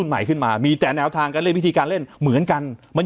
ใหม่ขึ้นมามีแต่แนวทางการเล่นวิธีการเล่นเหมือนกันมัน